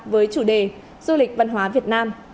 với chủ đề du lịch văn hóa việt nam